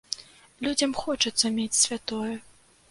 Людзям хочацца мець святое.